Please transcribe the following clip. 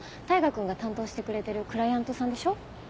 大牙君が担当してくれてるクライアントさんでしょ？